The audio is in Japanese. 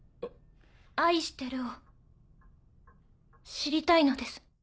「愛してる」を知りたいのです。